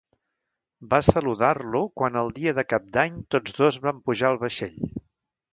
Va saludar-lo quan el dia de cap d’any tots dos van pujar al vaixell.